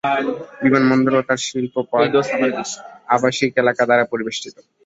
বিমানবন্দর এবং তার শিল্প পার্ক আবাসিক এলাকা দ্বারা পরিবেষ্টিত।